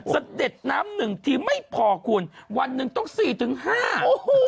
เสด็จน้ำหนึ่งทีไม่พอคุณวันหนึ่งต้องสี่ถึงห้าโอ้โห